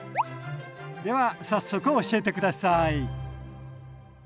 では早速教えて下さい。